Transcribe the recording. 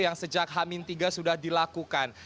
yang sejak hamin tiga sudah dilakukan